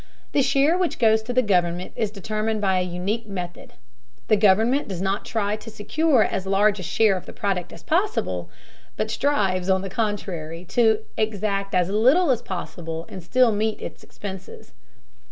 The share which goes to the government is determined by a unique method: the government does not try to secure as large a share of the product as possible, but strives, on the contrary, to exact as little as possible, and still meet its expenses.